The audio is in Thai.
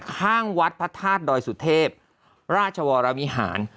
ข้างวัดพระธาตุดอยสุเทพราชวรวิหาร